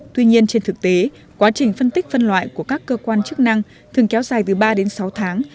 tuy nhiên trên thực tế quá trình phân tích phân loại của các cơ quan chức năng thường kéo dài từ ba đến sáu tháng